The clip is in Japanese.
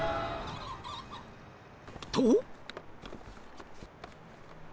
［と］